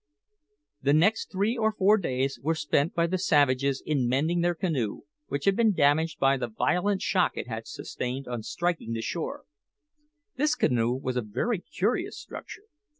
The next three or four days were spent by the savages in mending their canoe, which had been damaged by the violent shock it had sustained on striking the shore. This canoe was a very curious structure.